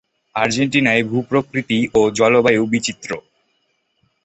আর্জেন্টিনায় ভূ-প্রকৃতি ও জলবায়ু বিচিত্র।